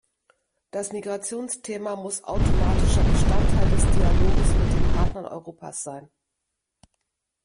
Das Migrationsthema muss automatischer Bestandteil des Dialoges mit den Partnern Europas sein.